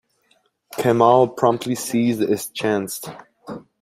Kemal promptly seized his chance.